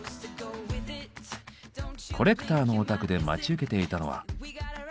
コレクターのお宅で待ち受けていたのは。